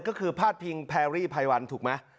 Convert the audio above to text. ก็คือพาดพิงแพรรี่ไพวันถูกไหม